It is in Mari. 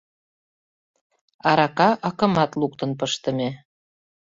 Арака акымат луктын пыштыме.